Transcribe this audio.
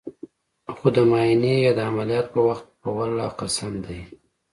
خو د معاينې يا د عمليات په وخت په ولله قسم ديه.